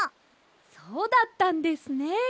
そうだったんですね。